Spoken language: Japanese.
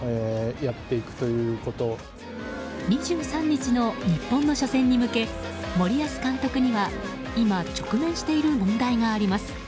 ２３日の日本の初戦に向け森保監督には今、直面している問題があります。